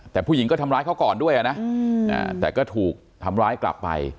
แต่ผู้หญิงก็ทำร้ายเขาก่อนด้วยนะแต่ก็ถูกทำร้ายกลับไป